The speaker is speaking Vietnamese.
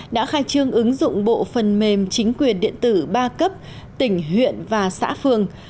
đã khai trương ứng dụng bộ phần mềm chính quyền điện tử ba cấp tỉnh huyện và xã phường